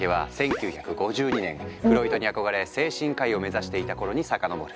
フロイトに憧れ精神科医を目指していた頃に遡る。